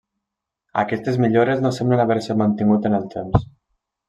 Aquestes millores no semblen haver-se mantingut en el temps.